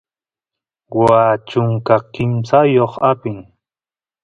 waa chunka kimsayoq apin